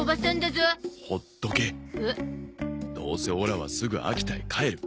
どうせオラはすぐ秋田へ帰る。